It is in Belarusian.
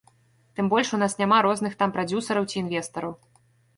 Тым больш, у нас няма розных там прадзюсараў ці інвестараў.